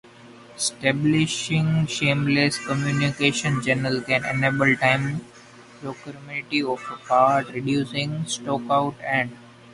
Establishing seamless communication channels can enable timely procurement of parts, reducing stockouts and backorders.